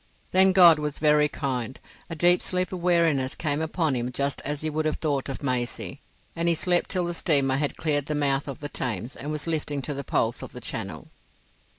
Then God was very kind: a deep sleep of weariness came upon him just as he would have thought of Maisie, and he slept till the steamer had cleared the mouth of the Thames and was lifting to the pulse of the Channel.